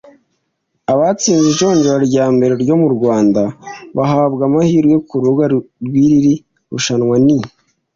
Abatsinze ijonjora rya mbere ryo mu Rwanda bahabwa amahirwe ku rubuga rw’iri rushanwa ni